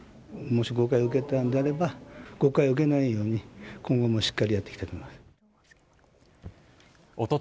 もし誤解を受けたのであれば、誤解を受けないように、今後もしっかりやっていきたいと。